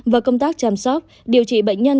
và công tác chăm sóc điều trị bệnh nhân